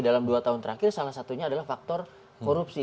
dalam dua tahun terakhir salah satunya adalah faktor korupsi